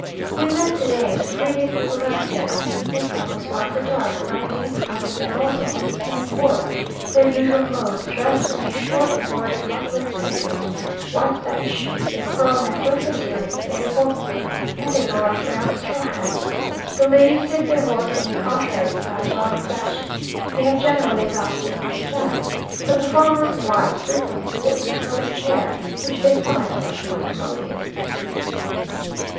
We met to day the prettiest little ranchera, a farmer's wife or daughter, riding in front of a mozo on the same horse, their usual mode, dressed in a short embroidered muslin petticoat, white satin shoes, a pearl necklace, and earrings, a reboso, and a large round straw hat. The ladies sit their horse on a contrary side to our fashion. They have generally adopted English saddles, but the farmers' wives frequently sit in a sort of chair, which they find much more commodious.